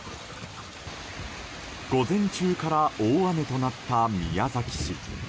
午前中から大雨となった宮崎市。